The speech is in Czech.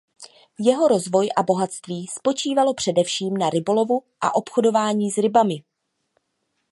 Jeho rozvoj a bohatství spočívalo především na rybolovu a obchodování s rybami.